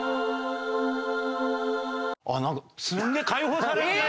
あっなんかすげえ解放されるね！